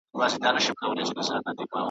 یوه ورځ وو پیر بازار ته راوتلی .